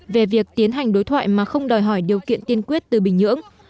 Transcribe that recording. về việc tiến hành đối thoại mà không đòi hỏi điều kiện tiên quyết từ bình nhưỡng